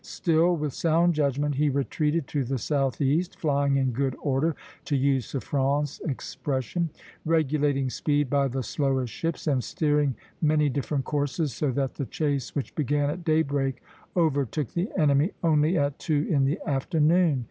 Still, with sound judgment, he retreated to the southeast, flying in good order, to use Suffren's expression; regulating speed by the slowest ships, and steering many different courses, so that the chase which began at daybreak overtook the enemy only at two in the afternoon.